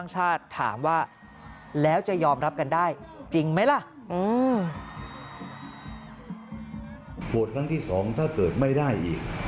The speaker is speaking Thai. โหวตครั้งที่๒ถ้าเกิดไม่ได้อีก